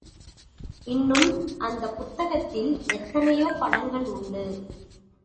இன்னும் அந்தப் புத்தகத்தில் எத்தனையோ படங்கள் உண்டு!